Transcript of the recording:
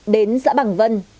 đến xã bằng vân